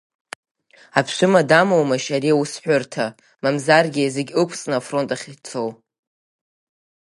Аԥшәыма дамоумашь ари аусҳәарҭа, мамзаргьы зегь ықәҵны афронт ахь ицоу?